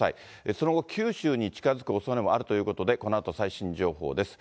その後、九州に近づくおそれもあるということで、このあと最新情報です。